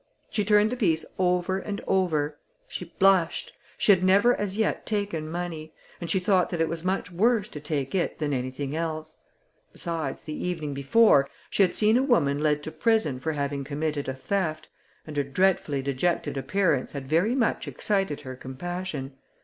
She turned the piece over and over: she blushed: she had never as yet taken money, and she thought that it was much worse to take it than anything else. Besides, the evening before, she had seen a woman led to prison for having committed a theft, and her dreadfully dejected appearance had very much excited her compassion.